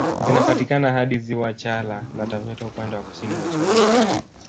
Zinapatikana hadi ziwa Chala na Taveta upande wa kusini mashariki